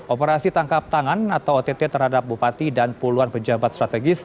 operasi tangkap tangan atau ott terhadap bupati dan puluhan pejabat strategis